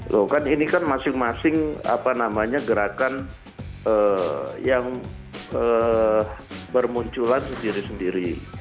loh kan ini kan masing masing gerakan yang bermunculan sendiri sendiri